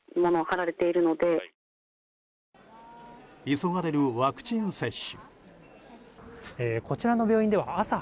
急がれるワクチン接種。